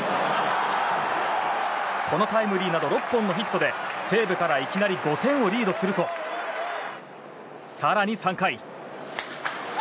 このタイムリーなど６本のヒットで西武からいきなり５点をリードすると更に３回。